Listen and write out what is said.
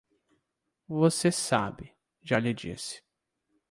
Você sabe; já lhe disse.